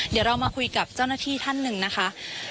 เดี๋ยวเรามาคุยกับเจ้าหน้าที่ท่านหนึ่งนะคะ